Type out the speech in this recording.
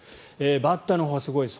バッターのほうはすごいです。